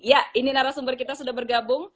ya ini narasumber kita sudah bergabung